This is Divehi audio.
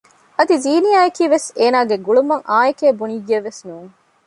އަދި ޒީނިޔާ އަކީ ވެސް އޭނާގެ ގުޅުމަށް އާއެކޭ ބުނިއްޔެއްވެސް ނޫން